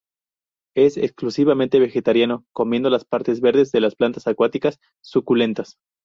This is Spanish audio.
Es exclusivamente vegetariano, comiendo las partes verdes de las plantas acuáticas suculentas.